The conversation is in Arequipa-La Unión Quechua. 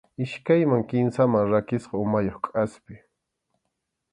Iskayman kimsaman rakisqa umayuq kʼaspi.